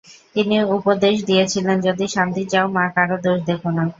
তিনি উপদেশ দিয়েছিলেন, যদি শান্তি চাও, মা, কারও দোষ দেখো না।